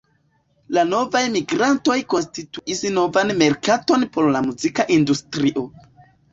La novaj migrantoj konstituis novan merkaton por la muzika industrio.